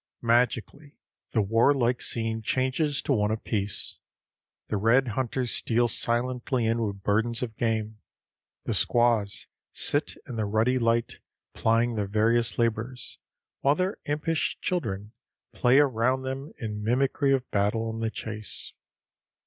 Magically the warlike scene changes to one of peace. The red hunters steal silently in with burdens of game. The squaws sit in the ruddy light plying their various labors, while their impish children play around them in mimicry of battle and the chase.